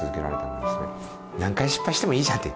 何回失敗してもいいじゃんって。